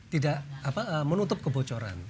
tidak menutup kebocoran